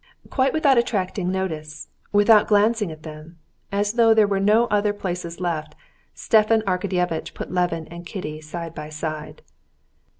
Quite without attracting notice, without glancing at them, as though there were no other places left, Stepan Arkadyevitch put Levin and Kitty side by side.